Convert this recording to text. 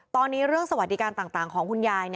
ตอนนี้เรื่องสวัสดิการต่างของคุณยาย